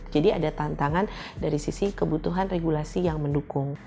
jadi ada tantangan dari sisi kebutuhan regulasi yang mendukung